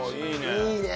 いいね！